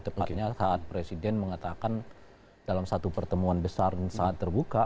tepatnya saat presiden mengatakan dalam satu pertemuan besar sangat terbuka